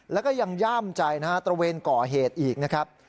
แล้วก็ยังย่ามใจนะฮะตระเวนก่อเหตุอีกนะครับ